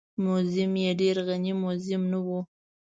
موزیم یې ډېر غني موزیم نه و.